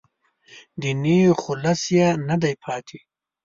دیني خلوص یې نه دی پاتې.